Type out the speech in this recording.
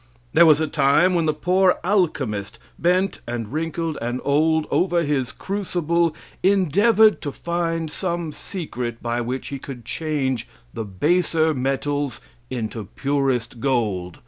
There was a time when the poor alchemist, bent and wrinkled and old, over his crucible, endeavored to find some secret by which he could change the baser metals into purest gold.